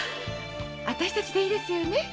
私たちでいいですよね？